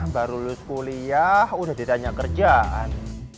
baru lulus kuliah udah ditanya kerjaan